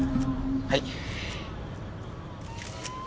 はい。